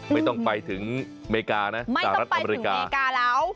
ไม่ต้องไปถึงเมริกานะสหรัฐอเมริกา